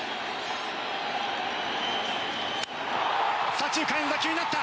左中間への打球になった！